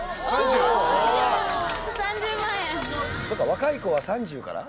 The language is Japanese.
若い子は３０から？